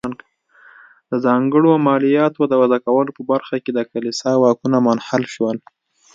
د ځانګړو مالیاتو د وضع کولو په برخه کې د کلیسا واکونه منحل شول.